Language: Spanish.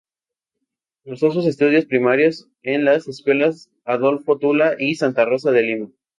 Cursó sus estudios primarios en las escuelas Adolfo Tula y Santa Rosa de Lima.